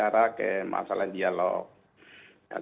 arah ke masalah dialog